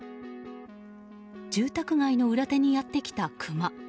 住宅街の裏手にやってきたクマ。